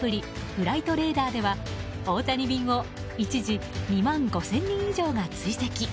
フライトレーダーでは大谷便を一時２万５０００人以上が追跡。